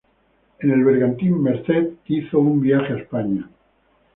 En el bergantín "Merced" hizo un viaje a España.